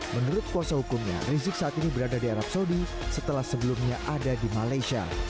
menurut kuasa hukumnya rizik saat ini berada di arab saudi setelah sebelumnya ada di malaysia